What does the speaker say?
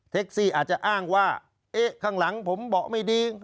ซี่อาจจะอ้างว่าเอ๊ะข้างหลังผมเบาะไม่ดี